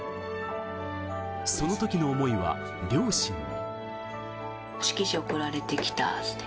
そのときの思いは、両親に。